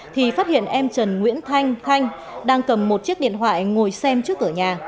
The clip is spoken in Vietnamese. thì phát hiện em trần nguyễn thanh khanh đang cầm một chiếc điện thoại ngồi xem trước cửa nhà